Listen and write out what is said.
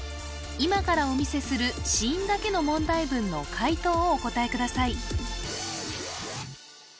今からお見せする子音だけの問題文の解答をお答えください